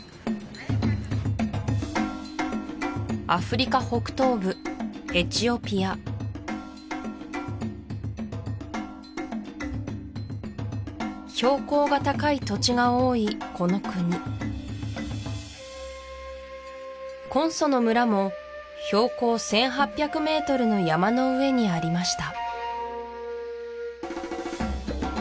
アフリカ北東部エチオピア標高が高い土地が多いこの国コンソの村も標高１８００メートルの山の上にありました